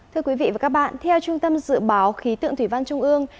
thưa quý vị và các bạn theo trung tâm dự báo khí tượng thủy văn trung ương